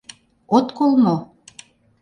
От кол мо?